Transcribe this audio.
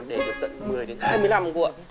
để được tận một mươi đến hai mươi năm